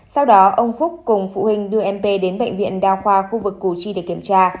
sau đó ông phúc cùng phụ huynh đưa em p đến bệnh viện đa khoa khu vực củ chi để kiểm tra